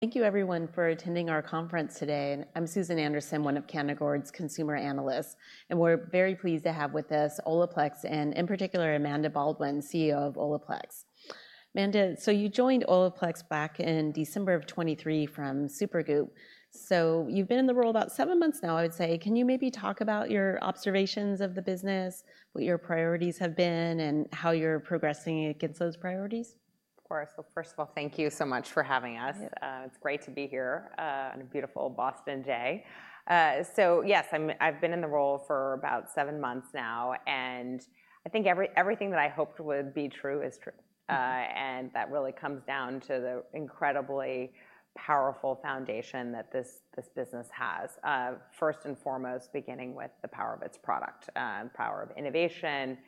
Thank you everyone for attending our conference today. I'm Susan Anderson, one of Canaccord Genuity's consumer analysts, and we're very pleased to have with us Olaplex, and in particular, Amanda Baldwin, CEO of Olaplex. Amanda, so you joined Olaplex back in December of 2023 from Supergoop! So you've been in the role about seven months now, I would say. Can you maybe talk about your observations of the business, what your priorities have been, and how you're progressing against those priorities? Of course. Well, first of all, thank you so much for having us. Yeah. It's great to be here on a beautiful Boston day. So yes, I've been in the role for about seven months now, and I think everything that I hoped would be true is true. And that really comes down to the incredibly powerful foundation that this business has. First and foremost, beginning with the power of its product and power of innovation.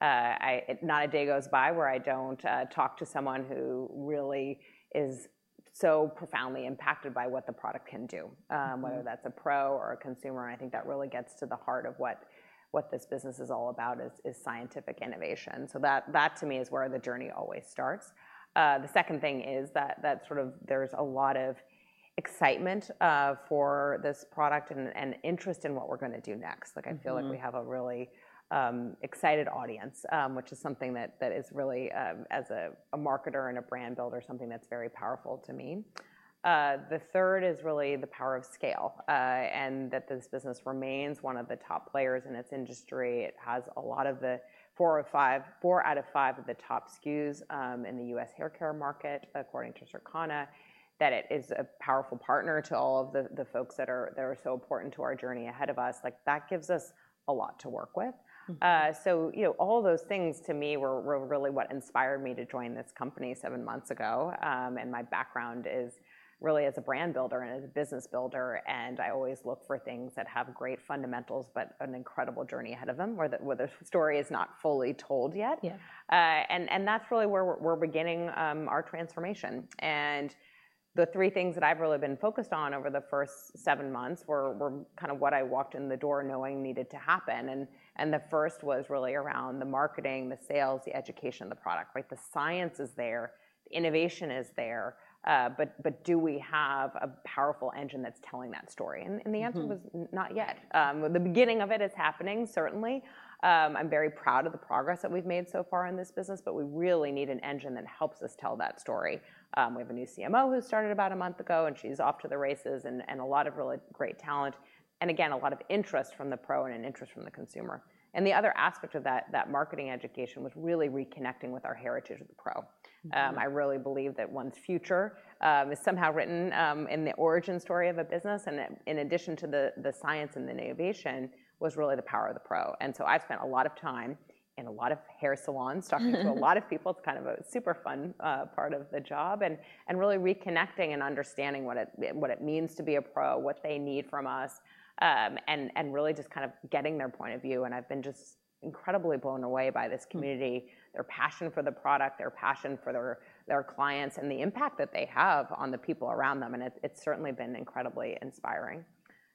Not a day goes by where I don't talk to someone who really is so profoundly impacted by what the product can do- Mm-hmm... whether that's a pro or a consumer, and I think that really gets to the heart of what this business is all about is scientific innovation. So that to me is where the journey always starts. The second thing is that sort of there's a lot of excitement for this product and interest in what we're gonna do next. Mm-hmm. Like, I feel like we have a really excited audience, which is something that is really, as a marketer and a brand builder, something that's very powerful to me. The third is really the power of scale, and that this business remains one of the top players in its industry. It has a lot of the 4 or 5- 4 out of 5 of the top SKUs in the U.S. haircare market, according to Circana, that it is a powerful partner to all of the folks that are so important to our journey ahead of us. Like, that gives us a lot to work with. Mm-hmm. You know, all those things to me were really what inspired me to join this company seven months ago. My background is really as a brand builder and as a business builder, and I always look for things that have great fundamentals, but an incredible journey ahead of them, where the story is not fully told yet. Yeah. And that's really where we're beginning our transformation. And the three things that I've really been focused on over the first seven months were kind of what I walked in the door knowing needed to happen. And the first was really around the marketing, the sales, the education, the product, right? The science is there, the innovation is there, but do we have a powerful engine that's telling that story? Mm-hmm. The answer was not yet. The beginning of it is happening, certainly. I'm very proud of the progress that we've made so far in this business, but we really need an engine that helps us tell that story. We have a new CMO who started about a month ago, and she's off to the races, and a lot of really great talent, and again, a lot of interest from the pro and an interest from the consumer. The other aspect of that, that marketing education, was really reconnecting with our heritage of the pro. Mm-hmm. I really believe that one's future is somehow written in the origin story of a business, and that in addition to the science and the innovation, was really the power of the pro. So I've spent a lot of time in a lot of hair salons talking to a lot of people. It's kind of a super fun part of the job, and really reconnecting and understanding what it means to be a pro, what they need from us, and really just kind of getting their point of view, and I've been just incredibly blown away by this community. Mm... their passion for the product, their passion for their clients, and the impact that they have on the people around them, and it's certainly been incredibly inspiring.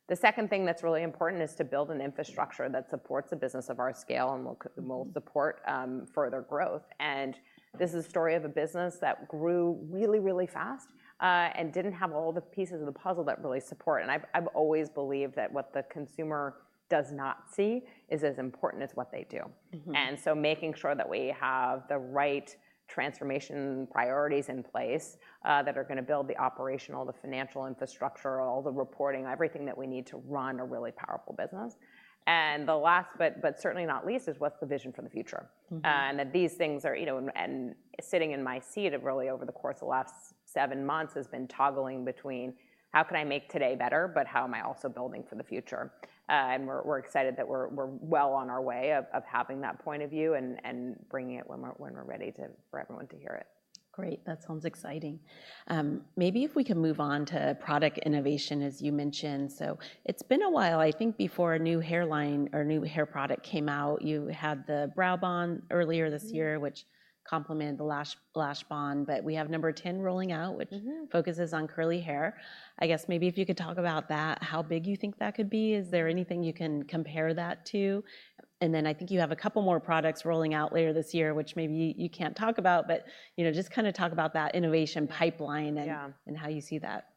The second thing that's really important is to build an infrastructure that supports a business of our scale, and will c- Mm-hmm... will support further growth. This is a story of a business that grew really, really fast, and didn't have all the pieces of the puzzle that really support. I've always believed that what the consumer does not see is as important as what they do. Mm-hmm. And so making sure that we have the right transformation priorities in place, that are gonna build the operational, the financial infrastructure, all the reporting, everything that we need to run a really powerful business. And the last, but certainly not least, is what's the vision for the future? Mm-hmm. And that these things are, you know, sitting in my seat really over the course of the last seven months, has been toggling between: How can I make today better, but how am I also building for the future? And we're excited that we're well on our way of having that point of view and bringing it when we're ready to, for everyone to hear it. Great, that sounds exciting. Maybe if we can move on to product innovation, as you mentioned. So it's been a while, I think, before a new hair line or new hair product came out. You had the BrowBond earlier this year- Mm... which complemented the LashBond, but we have No.10 rolling out- Mm-hmm... which focuses on curly hair. I guess maybe if you could talk about that, how big you think that could be. Is there anything you can compare that to? And then I think you have a couple more products rolling out later this year, which maybe you, you can't talk about, but, you know, just kind of talk about that innovation pipeline and- Yeah... and how you see that....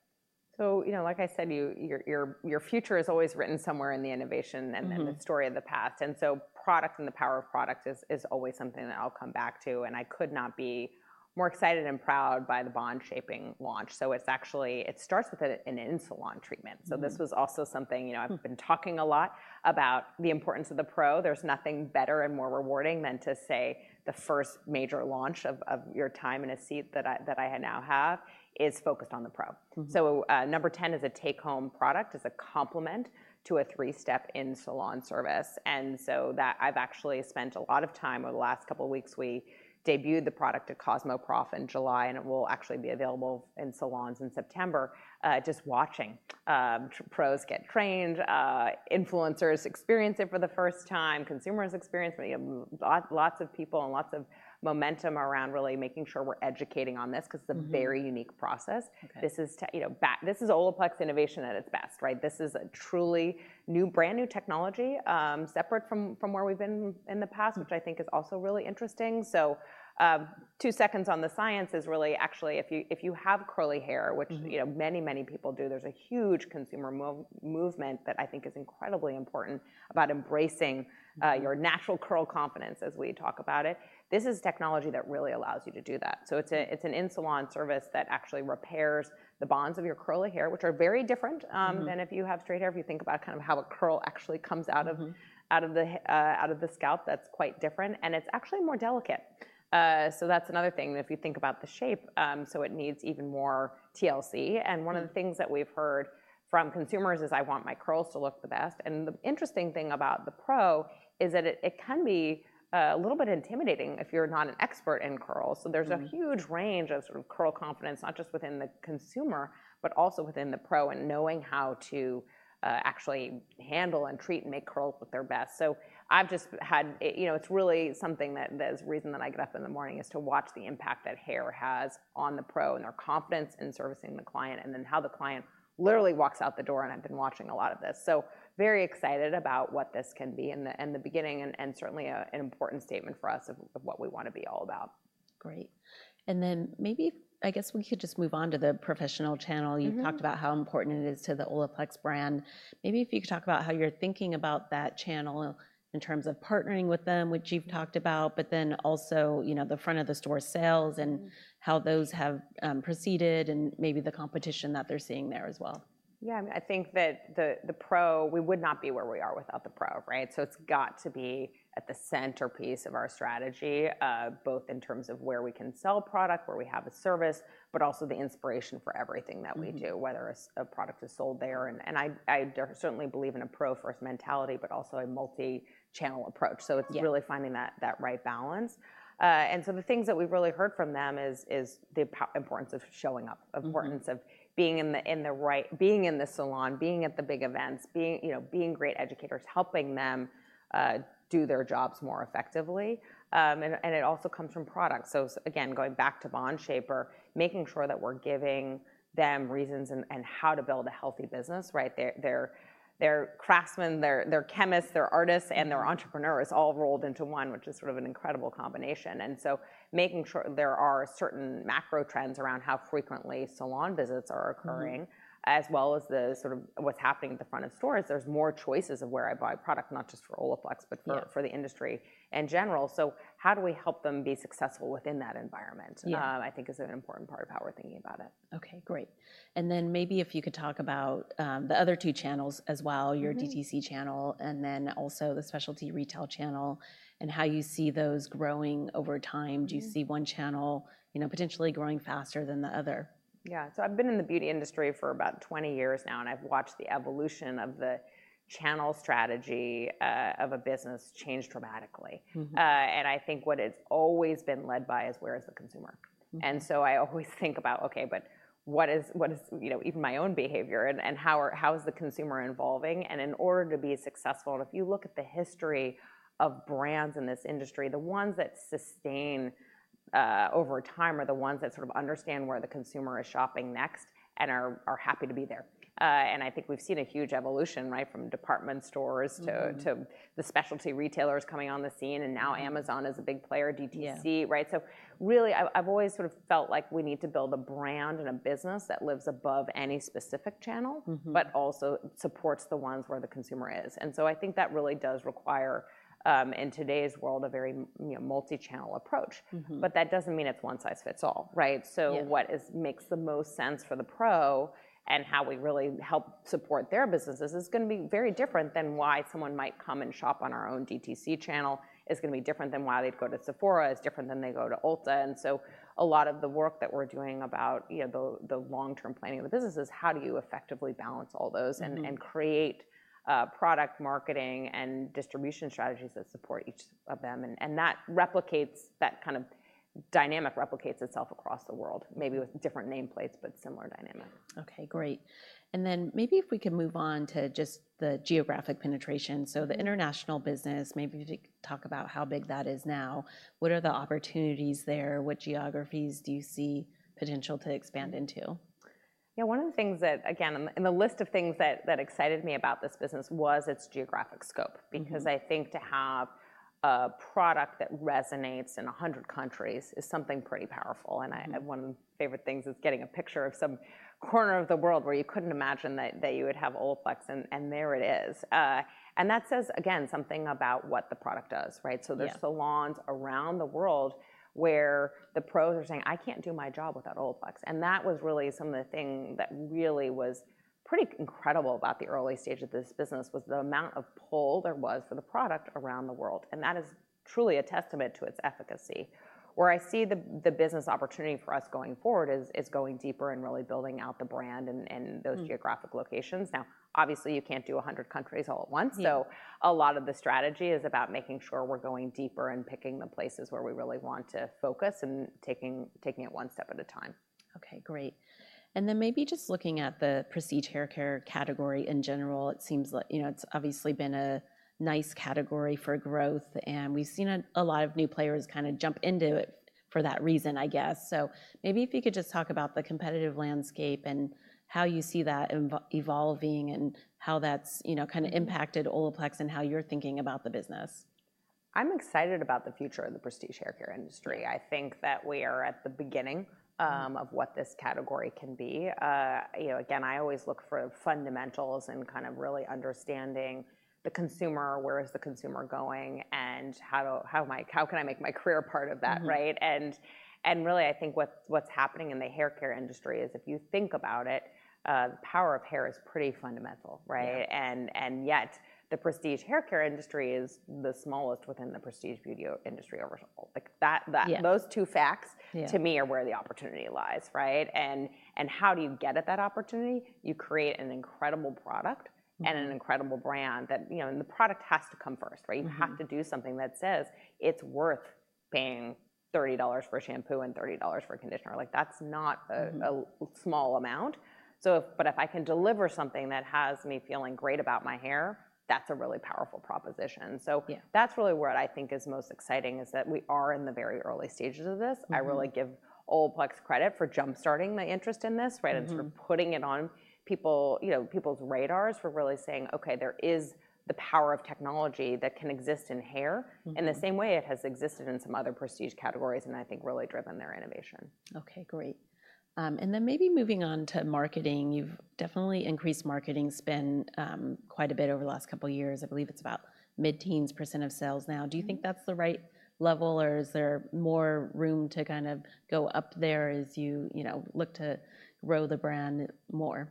So, you know, like I said, your future is always written somewhere in the innovation- Mm-hmm and then the story of the past. And so product and the power of product is always something that I'll come back to, and I could not be more excited and proud by the Bond Shaping launch. So it's actually, it starts with an in-salon treatment. Mm-hmm. This was also something, you know, I've been talking a lot about the importance of the Pro. There's nothing better and more rewarding than to say the first major launch of your time in a seat that I now have is focused on the Pro. Mm-hmm. So, No. 10 is a take-home product, is a complement to a three-step in-salon service. And so that I've actually spent a lot of time over the last couple of weeks. We debuted the product at Cosmoprof in July, and it will actually be available in salons in September. Just watching, pros get trained, influencers experience it for the first time, consumers experience it. We have lots of people and lots of momentum around really making sure we're educating on this- Mm-hmm... because it's a very unique process. Okay. This is you know, this is Olaplex innovation at its best, right? This is a truly new, brand-new technology, separate from, from where we've been in the past- Mm-hmm... which I think is also really interesting. So, two seconds on the science is really actually, if you, if you have curly hair- Mm-hmm... which, you know, many, many people do, there's a huge consumer movement that I think is incredibly important about embracing your natural curl confidence, as we talk about it. This is technology that really allows you to do that. So it's a, it's an in-salon service that actually repairs the bonds of your curly hair, which are very different- Mm-hmm... than if you have straight hair. If you think about kind of how a curl actually comes out of- Mm-hmm... out of the, out of the scalp, that's quite different, and it's actually more delicate. So that's another thing, that if you think about the shape, so it needs even more TLC. Mm-hmm. One of the things that we've heard from consumers is, "I want my curls to look the best." The interesting thing about the pro is that it can be a little bit intimidating if you're not an expert in curls. Mm-hmm. So there's a huge range of sort of curl confidence, not just within the consumer, but also within the pro, and knowing how to actually handle and treat and make curls look their best. So I've just had it, you know, it's really something that, that is the reason that I get up in the morning, is to watch the impact that hair has on the pro and their confidence in servicing the client, and then how the client literally walks out the door, and I've been watching a lot of this. So very excited about what this can be, and the, and the beginning, and, and certainly a, an important statement for us of, of what we want to be all about. Great. And then maybe, I guess we could just move on to the professional channel. Mm-hmm. You've talked about how important it is to the Olaplex brand. Maybe if you could talk about how you're thinking about that channel in terms of partnering with them, which you've talked about, but then also, you know, the front-of-the-store sales- Mm... and how those have proceeded and maybe the competition that they're seeing there as well. Yeah, I think that the pro, we would not be where we are without the pro, right? So it's got to be at the centerpiece of our strategy, both in terms of where we can sell product, where we have a service, but also the inspiration for everything that we do- Mm-hmm... whether a product is sold there. And I certainly believe in a pro-first mentality, but also a multi-channel approach. Yeah. So it's really finding that right balance. And so the things that we've really heard from them is the importance of showing up- Mm-hmm... importance of being in the right, being in the salon, being at the big events, being, you know, being great educators, helping them do their jobs more effectively. And it also comes from product. So again, going back to Bond Shaper, making sure that we're giving them reasons and how to build a healthy business, right? They're craftsmen, they're chemists, they're artists, and they're entrepreneurs all rolled into one, which is sort of an incredible combination. And so making sure there are certain macro trends around how frequently salon visits are occurring- Mm-hmm ... as well as the sort of what's happening at the front of stores. There's more choices of where I buy product, not just for Olaplex- Yeah... but for the industry in general. So how do we help them be successful within that environment? Yeah. I think is an important part of how we're thinking about it. Okay, great. And then maybe if you could talk about the other two channels as well- Mm-hmm... your DTC channel and then also the specialty retail channel, and how you see those growing over time? Mm-hmm. Do you see one channel, you know, potentially growing faster than the other? Yeah. So I've been in the beauty industry for about 20 years now, and I've watched the evolution of the channel strategy, of a business change dramatically. Mm-hmm. I think what it's always been led by is, where is the consumer? Mm-hmm. I always think about, okay, but what is, you know, even my own behavior, and how is the consumer evolving? In order to be successful, if you look at the history of brands in this industry, the ones that sustain over time are the ones that sort of understand where the consumer is shopping next and are happy to be there. I think we've seen a huge evolution, right, from department stores- Mm-hmm... to the specialty retailers coming on the scene, and now Amazon is a big player, DTC- Yeah... right? So really, I've always sort of felt like we need to build a brand and a business that lives above any specific channel- Mm-hmm... but also supports the ones where the consumer is. And so I think that really does require, in today's world, a very, you know, multi-channel approach. Mm-hmm. But that doesn't mean it's one size fits all, right? Yeah. So what makes the most sense for the pro and how we really help support their businesses is gonna be very different than why someone might come and shop on our own DTC channel. It's gonna be different than why they'd go to Sephora. It's different than they go to Ulta. And so a lot of the work that we're doing about, you know, the long-term planning of the business is how do you effectively balance all those- Mm-hmm... and create product marketing and distribution strategies that support each of them? And that kind of dynamic replicates itself across the world, maybe with different nameplates, but similar dynamic. Okay, great. And then maybe if we can move on to just the geographic penetration, so the international business, maybe if you could talk about how big that is now. What are the opportunities there? What geographies do you see potential to expand into? ... Yeah, one of the things that, again, in the list of things that excited me about this business was its geographic scope. Mm-hmm. Because I think to have a product that resonates in 100 countries is something pretty powerful. Mm-hmm. And I, one of my favorite things is getting a picture of some corner of the world where you couldn't imagine that, that you would have Olaplex, and, and there it is. And that says, again, something about what the product does, right? Yeah. So there's salons around the world where the pros are saying, "I can't do my job without Olaplex." And that was really some of the thing that really was pretty incredible about the early stage of this business, was the amount of pull there was for the product around the world, and that is truly a testament to its efficacy. Where I see the business opportunity for us going forward is going deeper and really building out the brand in, Mm... those geographic locations. Now, obviously, you can't do 100 countries all at once. Yeah. So a lot of the strategy is about making sure we're going deeper and picking the places where we really want to focus and taking it one step at a time. Okay, great. Then maybe just looking at the Prestige haircare category in general, it seems like, you know, it's obviously been a nice category for growth, and we've seen a lot of new players kind of jump into it for that reason, I guess. So maybe if you could just talk about the competitive landscape and how you see that evolving, and how that's, you know, kind of- Mm... impacted Olaplex and how you're thinking about the business. I'm excited about the future of the Prestige haircare industry. I think that we are at the beginning- Mm... of what this category can be. You know, again, I always look for fundamentals and kind of really understanding the consumer, where is the consumer going, and how can I make my career part of that, right? Mm-hmm. Really, I think what's happening in the haircare industry is, if you think about it, the power of hair is pretty fundamental, right? Yeah. And yet, the prestige haircare industry is the smallest within the prestige beauty industry overall. Yeah... those two facts- Yeah... to me are where the opportunity lies, right? And, and how do you get at that opportunity? You create an incredible product- Mm... and an incredible brand that, you know, and the product has to come first, right? Mm-hmm. You have to do something that says it's worth paying $30 for a shampoo and $30 for a conditioner. Like, that's not a- Mm-hmm... a small amount, so if... But if I can deliver something that has me feeling great about my hair, that's a really powerful proposition. Yeah. That's really what I think is most exciting, is that we are in the very early stages of this. Mm-hmm. I really give Olaplex credit for jump-starting my interest in this, right? Mm-hmm. Sort of putting it on people... you know, people's radars, for really saying, "Okay, there is the power of technology that can exist in hair- Mm-hmm... in the same way it has existed in some other prestige categories," and I think really driven their innovation. Okay, great. And then maybe moving on to marketing, you've definitely increased marketing spend, quite a bit over the last couple of years. I believe it's about mid-teens% of sales now. Mm-hmm. Do you think that's the right level, or is there more room to kind of go up there as you, you know, look to grow the brand more?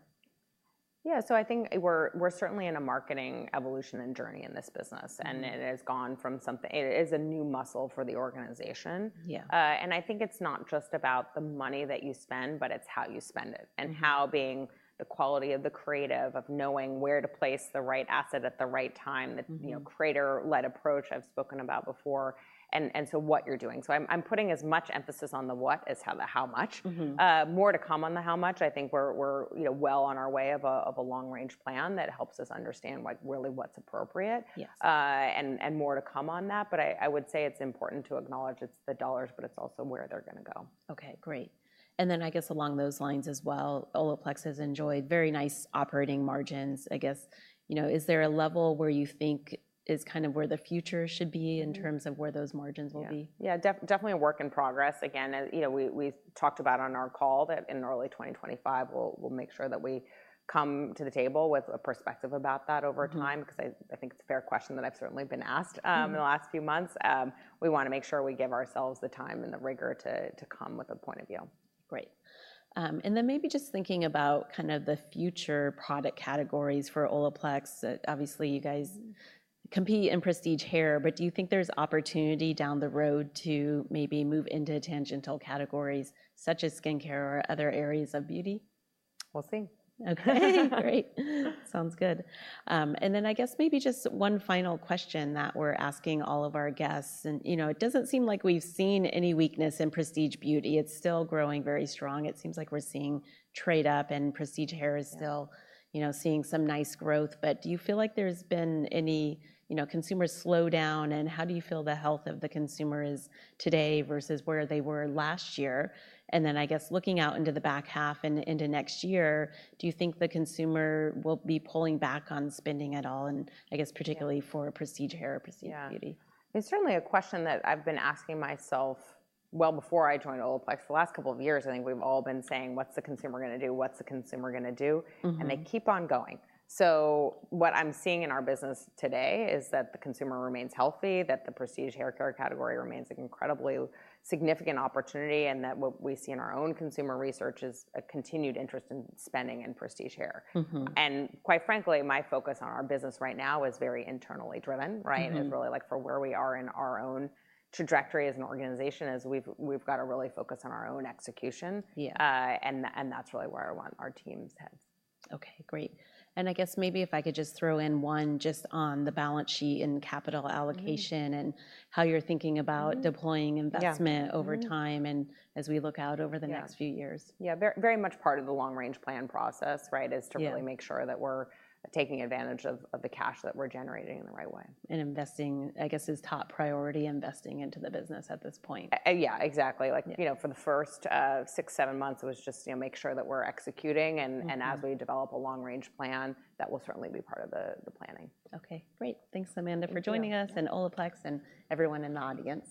Yeah, so I think we're certainly in a marketing evolution and journey in this business- Mm... and it has gone from something... It is a new muscle for the organization. Yeah. I think it's not just about the money that you spend, but it's how you spend it, and how being the quality of the creative, of knowing where to place the right asset at the right time- Mm-hmm... the, you know, creator-led approach I've spoken about before, and so what you're doing. So I'm putting as much emphasis on the what as how, the how much. Mm-hmm. More to come on the how much. I think we're, you know, well on our way of a long-range plan that helps us understand what, really what's appropriate. Yes. And more to come on that, but I would say it's important to acknowledge it's the dollars, but it's also where they're gonna go. Okay, great. And then I guess along those lines as well, Olaplex has enjoyed very nice operating margins. I guess, you know, is there a level where you think is kind of where the future should be? Mm... in terms of where those margins will be? Yeah. Yeah, definitely a work in progress. Again, as, you know, we, we talked about on our call, that in early 2025, we'll, we'll make sure that we come to the table with a perspective about that over time. Mm-hmm. Because I think it's a fair question that I've certainly been asked. Mm... in the last few months. We wanna make sure we give ourselves the time and the rigor to come with a point of view. Great. And then maybe just thinking about kind of the future product categories for Olaplex. Obviously, you guys compete in prestige hair, but do you think there's opportunity down the road to maybe move into tangential categories, such as skincare or other areas of beauty? We'll see. Okay, great. Sounds good. And then I guess maybe just one final question that we're asking all of our guests, and, you know, it doesn't seem like we've seen any weakness in prestige beauty. It's still growing very strong. It seems like we're seeing trade up, and prestige hair is still- Yeah... you know, seeing some nice growth. But do you feel like there's been any, you know, consumer slowdown, and how do you feel the health of the consumer is today versus where they were last year? And then, I guess, looking out into the back half and into next year, do you think the consumer will be pulling back on spending at all, and I guess particularly- Yeah... for prestige hair or prestige beauty? Yeah. It's certainly a question that I've been asking myself well before I joined Olaplex. For the last couple of years, I think we've all been saying: "What's the consumer gonna do? What's the consumer gonna do? Mm-hmm. And they keep on going. So what I'm seeing in our business today is that the consumer remains healthy, that the Prestige haircare category remains an incredibly significant opportunity, and that what we see in our own consumer research is a continued interest in spending in Prestige hair. Mm-hmm. Quite frankly, my focus on our business right now is very internally driven, right? Mm-hmm. Really, like, for where we are in our own trajectory as an organization, is we've got to really focus on our own execution. Yeah. And that's really where I want our team's heads. Okay, great. And I guess maybe if I could just throw in one just on the balance sheet and capital allocation- Mm... and how you're thinking about deploying investment- Yeah... over time and as we look out over the next few years. Yeah. Yeah, very, very much part of the long-range plan process, right- Yeah... is to really make sure that we're taking advantage of, of the cash that we're generating in the right way. Investing, I guess, is top priority, investing into the business at this point. Yeah, exactly. Yeah. Like, you know, for the first six, seven months, it was just, you know, make sure that we're executing and- Mm... and as we develop a long-range plan, that will certainly be part of the planning. Okay, great. Thanks, Amanda- Thank you... for joining us, and Olaplex, and everyone in the audience.